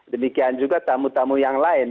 demikian juga tamu tamu yang lain